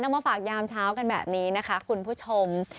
มาฝากยามเช้ากันแบบนี้นะคะคุณผู้ชม